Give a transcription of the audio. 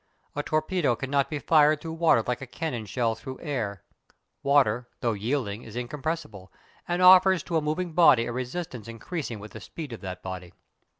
A torpedo cannot be fired through water like a cannon shell through air. Water, though yielding, is incompressible, and offers to a moving body a resistance increasing with the speed of that body.